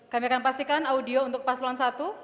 kami akan pastikan audio untuk paslon satu